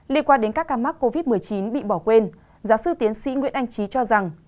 liên quan đến các ca mắc covid một mươi chín bị bỏ quên giáo sư tiến sĩ nguyễn anh trí cho rằng